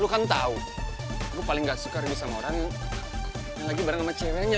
lo kan tau gue paling gak suka ribet sama orang yang lagi bareng sama ceweknya